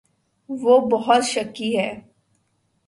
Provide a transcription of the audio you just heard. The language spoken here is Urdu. وہ بہت شکی ہے۔